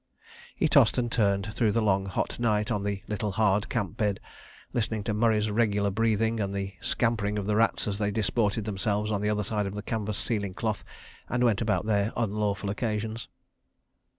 ... He tossed and turned through the long hot night on the little hard camp bed, listening to Murray's regular breathing and the scampering of the rats as they disported themselves on the other side of the canvas ceiling cloth and went about their unlawful occasions.